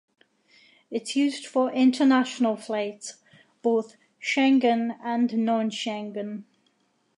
It’s used for international flights, both Schengen and non-Schengen.